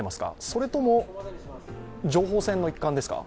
それとも、情報戦の一環ですか。